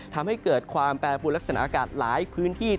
ทำให้เกิดความแปรปวนลักษณะอากาศหลายพื้นที่